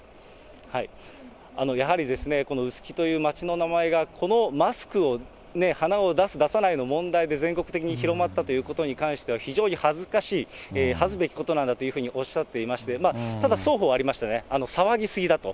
やはりですね、この臼杵という町の名前が、このマスクを、鼻を出す出さないの問題で、全国的に広まったということに関しては非常に恥ずかしい、恥ずべきことなんだというふうにおっしゃっていまして、ただ、双方ありましてね、騒ぎ過ぎだと。